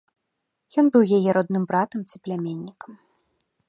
Ён быў яе родным братам ці пляменнікам.